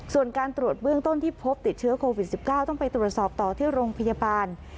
ส่วนการตรวจเบื้องต้นที่พบติดเชื้อโควิด๑๙ต้องไปตรวจสอบต่อที่โรงพยาบาล